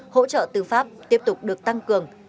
hỗ trợ tư pháp tiếp tục được tăng cường